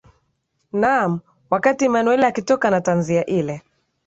naam wakati emmanuel akitoka na tanzia ile